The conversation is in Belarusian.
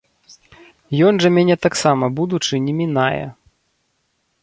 Ён жа мяне таксама, будучы, не мінае.